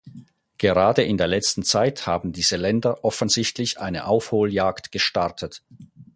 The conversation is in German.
Gerade in der letzten Zeit haben diese Länder offensichtlich eine Aufholjagd gestartet.